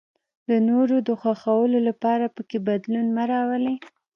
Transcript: د نورو د خوښولو لپاره پکې بدلون مه راولئ.